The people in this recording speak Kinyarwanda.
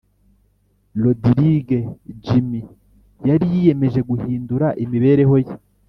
Rodirige Jimmy yari yiyemeje guhindura imibereho ye